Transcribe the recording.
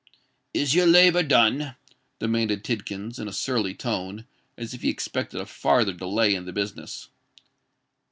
"Is your labour done?" demanded Tidkins, in a surly tone, as if he expected a farther delay in the business.